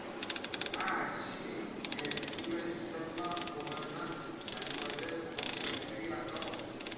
Ah ! si elle voulait seulement pour un an … Mademoiselle, proposez-lui encore.